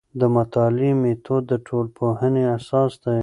د مطالعې میتود د ټولنپوهنې اساس دی.